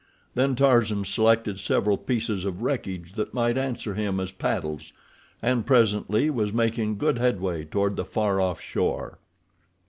Then Tarzan selected several pieces of wreckage that might answer him as paddles, and presently was making good headway toward the far off shore.